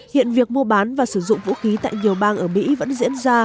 hiện việc mua bán và sử dụng vũ khí tại nhiều bang ở mỹ vẫn diễn ra